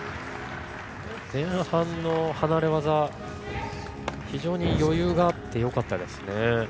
前半の離れ技非常に余裕があってよかったです。